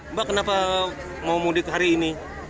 mbak kenapa mau mudik hari ini